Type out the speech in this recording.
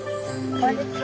こんにちは。